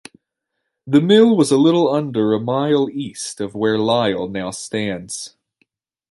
The mill was a little under a mile east of where Lyle now stands.